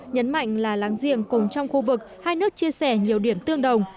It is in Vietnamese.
nhấn mạnh là láng giềng cùng trong khu vực hai nước chia sẻ nhiều điểm tương đồng